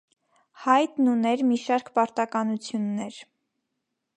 Հայդնն ուներ մի շարք պարտականություններ։